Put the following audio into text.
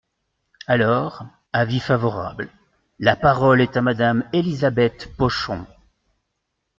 Alors, avis favorable… La parole est à Madame Elisabeth Pochon.